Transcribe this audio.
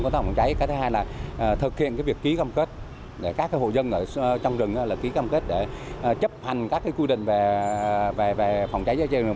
để các hồ dân trong rừng ký cam kết để chấp hành các quy định về phòng cháy chơi chơi